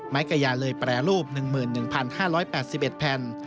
กระยาเลยแปรรูป๑๑๕๘๑แผ่น